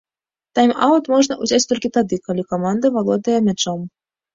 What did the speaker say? Тайм-аўт можна узяць толькі тады, калі каманда валодае мячом.